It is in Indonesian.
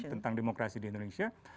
tentang demokrasi di indonesia